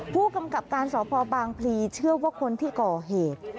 ผู้กำกับการสพบางพลีเชื่อว่าคนที่ก่อเหตุ